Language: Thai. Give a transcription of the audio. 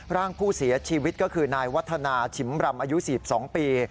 ร่างผู้เสียชีวิตก็คือนายวัฒนาฉิมรำอายุ๔๒ปี